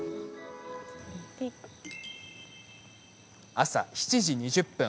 朝７時２０分。